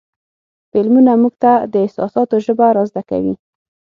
فلمونه موږ ته د احساساتو ژبه را زده کوي.